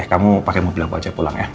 eh kamu pake mobil aku aja pulang ya